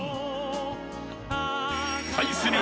［対する］